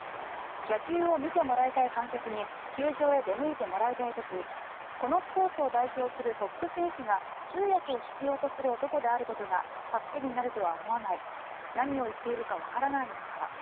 野球を見てもらいたい観客に球場へ出向いてもらいたい時にこのスポーツを代表するトップ選手が通訳を必要とする男であることが助けになるとは思わない何を言っているかわからないのだから。